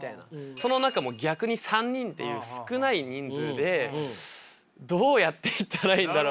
その中逆に３人っていう少ない人数でどうやっていったらいいんだろう？みたいな。